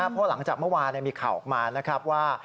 เพราะหลังจากเมื่อวานมีข่าวออกมานะครับว่า